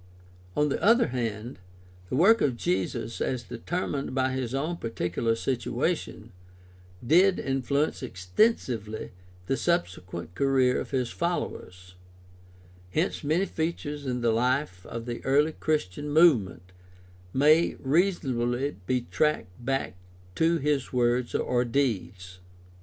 On the other hand, the work of Jesus, as deter mined by his own particular situation, did influence extensively the subsequent career of his followers; hence many features in the life of the early Christian movement may reasonably be traced back to his words or deeds.